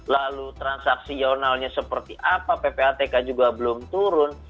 lalu transaksi jurnalnya seperti apa ppatk juga belum turun